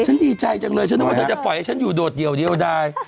ฉันดีใจจังเลยฉันนึกว่าเธอจะปล่อยให้ฉันอยู่โดดเดี่ยวได้